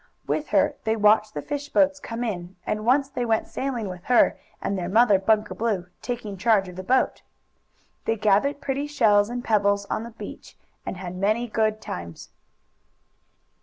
With her they watched the fish boats come in, and once they went sailing with her and their mother, Bunker Blue taking charge of the boat. They gathered pretty shells and pebbles on the beach and had many good times.